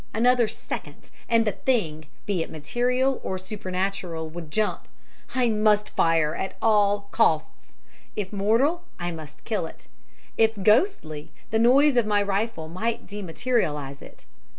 Another second, and the thing, be it material or supernatural, would jump. I must fire at all costs. If mortal, I must kill it, if ghostly, the noise of my rifle might dematerialize it.